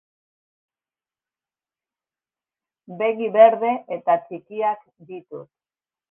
begi berde eta txikiak ditut.